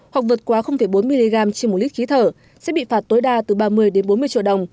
hoặc vượt quá bốn mg trên một lít khí thở sẽ bị phạt tối đa từ ba mươi bốn mươi triệu đồng